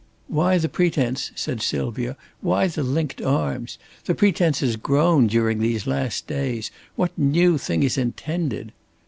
"Why the pretence?" said Sylvia. "Why the linked arms? The pretence has grown during these last days. What new thing is intended?"